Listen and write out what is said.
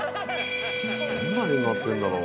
どんな絵になってるんだろう？